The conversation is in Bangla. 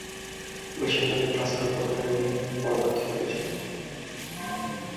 মেশিন লার্নিং ক্লাসিক্যাল প্রোগ্রামিং এর বড় পার্থক্য রয়েছে।